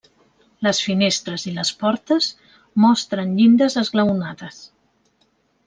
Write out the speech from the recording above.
Les finestres i les portes mostren llindes esglaonades.